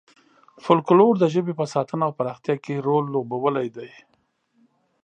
فولکلور د ژبې په ساتنه او پراختیا کې رول لوبولی دی.